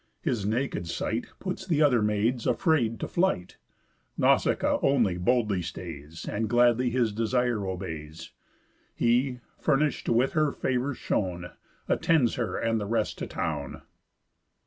His naked sight Puts th' other maids, afraid, to flight; Nausicaa only boldly stays, And gladly his desire obeys. He, furnish'd with her favour's shown, Attends her and the rest to town.